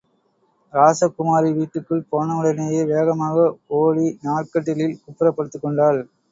ராசகுமாரி வீட்டுக்குள் போனவுடனேயே வேகமாக ஒடி நார்க்கட்டிலில் குப்புறப் படுத்துக் கொண்டாள்.